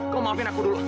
kamu maafin aku dulu